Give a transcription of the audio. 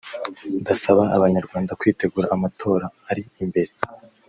Ndasaba abanyarwanda kwitegura amatora ari imbere